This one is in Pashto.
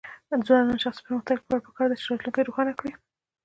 د ځوانانو د شخصي پرمختګ لپاره پکار ده چې راتلونکی روښانه کړي.